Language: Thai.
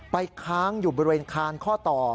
ค้างอยู่บริเวณคานข้อต่อ